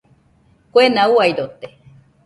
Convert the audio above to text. Kuena uaidote.